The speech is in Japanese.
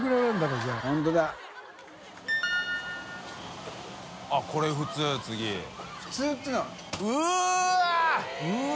うわ！